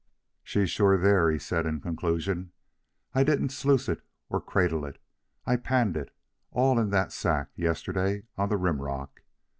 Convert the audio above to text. "She's sure there," he said in conclusion. "I didn't sluice it, or cradle it. I panned it, all in that sack, yesterday, on the rim rock.